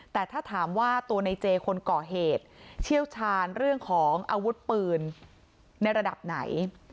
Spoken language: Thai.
แต่ถ้าถามว่าตัวในเจคนก่อเหตุเชี่ยวชาญเรื่องของอาวุธปืนในระดับไหน